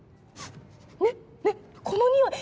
ねっねっこの匂い